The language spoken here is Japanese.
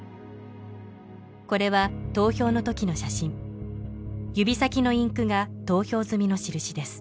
これは投票の時の写真指先のインクが投票済みの印です